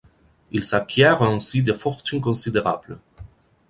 Ils acquièrent ainsi des fortunes considérables.